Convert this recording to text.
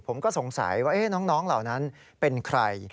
ผมก็สงสัยว่าน้องเหล่านั้นเป็นใคร